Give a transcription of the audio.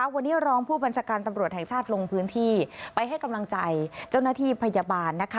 วันนี้รองผู้บัญชาการตำรวจแห่งชาติลงพื้นที่ไปให้กำลังใจเจ้าหน้าที่พยาบาล